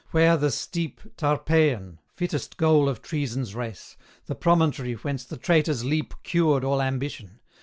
where the steep Tarpeian fittest goal of Treason's race, The promontory whence the traitor's leap Cured all ambition?